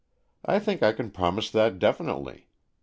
" I think I can promise that definitely.